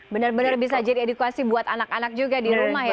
benar benar bisa jadi edukasi buat anak anak juga di rumah ya